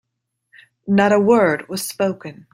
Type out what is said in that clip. Not a word was spoken.